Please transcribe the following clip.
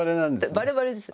バレバレです。